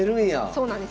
そうなんです。